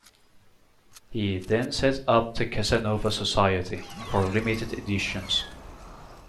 He then set up the Casanova Society, for limited editions.